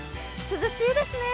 涼しいですね。